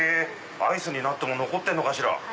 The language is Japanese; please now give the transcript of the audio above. アイスになっても残ってるのかしら。